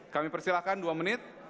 kami persilahkan dua menit